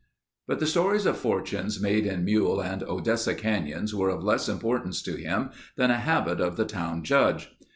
But the stories of fortunes made in Mule and Odessa Canyons were of less importance to him than a habit of the town judge.